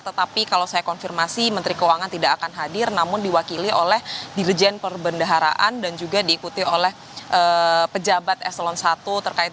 tetapi kalau saya konfirmasi menteri keuangan tidak akan hadir namun diwakili oleh dirjen perbendaharaan dan juga diikuti oleh pejabat eselon i